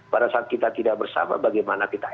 pada saat kita tidak bersama bagaimana kita